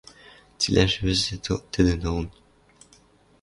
Цилӓжӹ вӹзӹт тӹдӹн ылын.